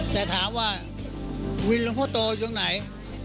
แต่ถามว่าวินพ่อโตอยู่ตรงไหน